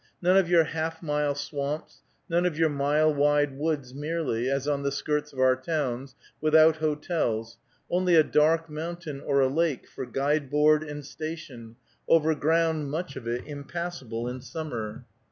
None of your half mile swamps, none of your mile wide woods merely, as on the skirts of our towns, without hotels, only a dark mountain or a lake for guide board and station, over ground much of it impassable in summer!